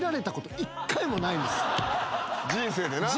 人生でな。